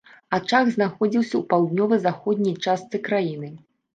Ачаг знаходзіўся ў паўднёва-заходняй частцы краіны.